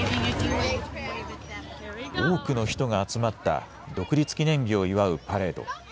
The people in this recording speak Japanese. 多くの人が集まった独立記念日を祝うパレード。